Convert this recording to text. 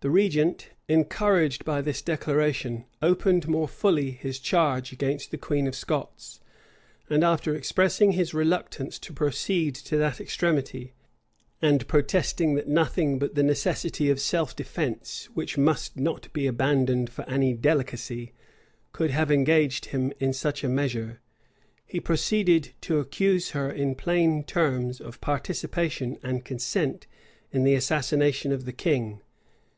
[*] The regent, encouraged by this declaration, opened more fully his charge against the queen of Scots; and after expressing his reluctance to proceed to that extremity, and protesting that nothing but the necessity of self defence, which must not be abandoned for any delicacy, could have engaged him in such a measure, he proceeded to accuse her in plain terms of participation and consent in the assassination of the king.